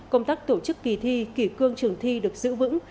công tác tổ chức kỳ thi kỷ cương trường thi được giữ vững